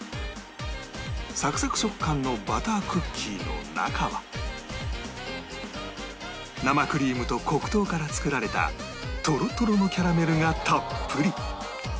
サクサク食感のバタークッキーの中は生クリームと黒糖から作られたとろとろのキャラメルがたっぷり